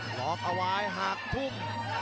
ลอบอวายหากทุ่ม